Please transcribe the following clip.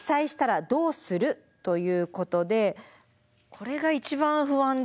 これが一番不安ですね。